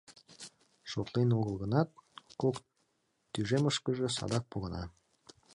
Шотлен огыл гынат, кок тӱжемышкыже садак погына.